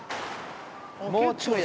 もうちょいだ。